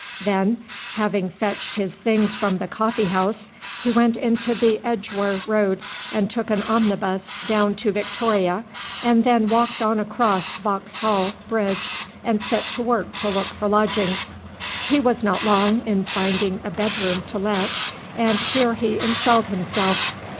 Then, having fetched his things from the coffee house, he went into the Edgware Road and took an omnibus down to Victoria and then walked on across Vauxhall Bridge, and set to work to look for lodgings. He was not long in finding a bed room to let, and here he installed himself.